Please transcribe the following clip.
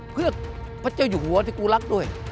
เพื่อพระเจ้าอยู่หัวที่กูรักด้วย